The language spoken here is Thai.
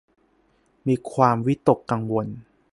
มีความวิตกกังวล